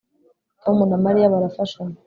Tom na Mariya barafashanya